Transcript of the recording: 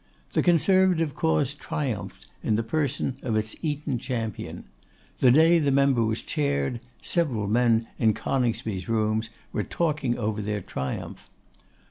The Conservative Cause triumphed in the person of its Eton champion. The day the member was chaired, several men in Coningsby's rooms were talking over their triumph.